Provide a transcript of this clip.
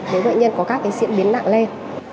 nếu bệnh nhân có các diễn biến nặng lên